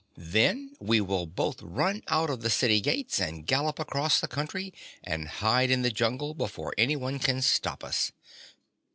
Then we will both run out of the city gates and gallop across the country and hide in the jungle before anyone can stop us."